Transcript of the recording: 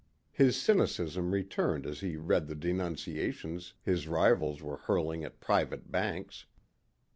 His cynicism returned as he read the denunciations his rivals were hurling at private banks.